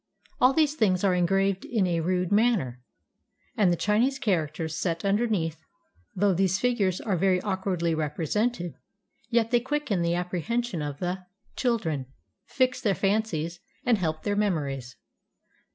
All these things are engraved in a rude manner, and the Chinese characters set underneath. Though these figures are very awkwardly represented, yet they quicken the apprehension of the children, fix their fancies, and help their memories.